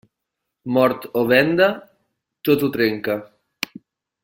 Mort o venda, tot ho trenca.